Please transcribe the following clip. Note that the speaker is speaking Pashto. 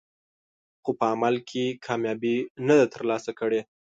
خو په عمل کې کامیابي نه ده ترلاسه کړې.